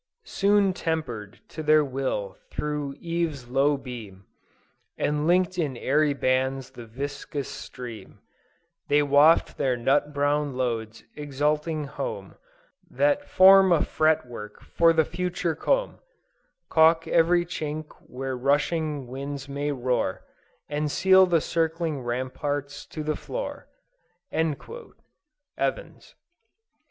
Soon temper'd to their will through eve's low beam, And link'd in airy bands the viscous stream, They waft their nut brown loads exulting home, That form a fret work for the future comb; Caulk every chink where rushing winds may roar, And seal their circling ramparts to the floor." _Evans.